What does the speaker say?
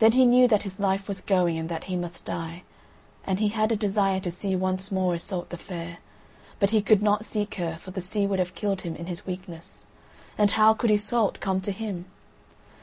Then he knew that his life was going, and that he must die, and he had a desire to see once more Iseult the Fair, but he could not seek her, for the sea would have killed him in his weakness, and how could Iseult come to him?